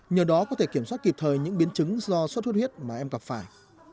nhờ đó có thể kiểm soát kịp thời những biến chứng do sốt huyết mà em gặp phải